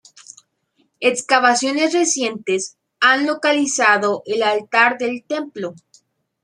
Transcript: Excavaciones recientes han localizado el altar del templo.